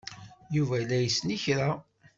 Yuba la isell i kra.